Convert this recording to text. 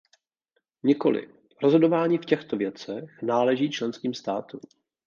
Nikoli, rozhodování v těchto věcech náleží členským státům.